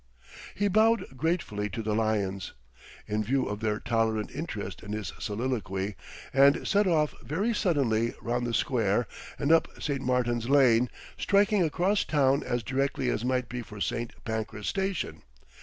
He bowed gratefully to the lions, in view of their tolerant interest in his soliloquy, and set off very suddenly round the square and up St. Martin's Lane, striking across town as directly as might be for St. Pancras Station.